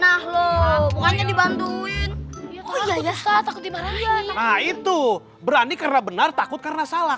bukannya dibantuin oh ya ya takut dimalukan itu berani karena benar takut karena salah